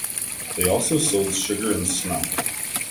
They also sold sugar, and snuff.